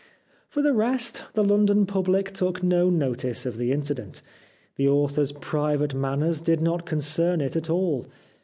For the rest, the London public took no notice of the incident. The author's private manners did not concern it at all.